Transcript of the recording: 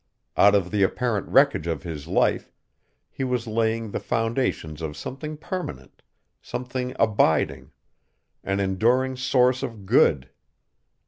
Out of the apparent wreckage of his life he was laying the foundations of something permanent, something abiding, an enduring source of good.